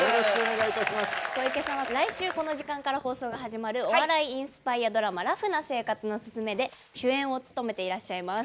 小池さんは来週この時間から放送が始まるお笑いインスパイアドラマ「ラフな生活のススメ」で主演を務めていらっしゃいます。